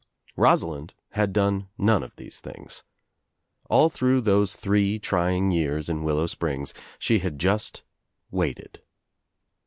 Rosalind had done none of these things. All through those three trying years in Willow Springs she had just waited.